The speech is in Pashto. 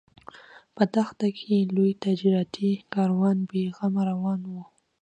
په دښته کې لوی تجارتي کاروان بې غمه روان و.